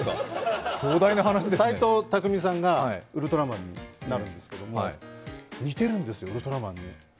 斎藤工さんがウルトラマンになるんですけれども、似てるんですよ、ウルトラマンに。